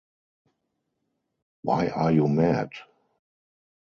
Why are you mad?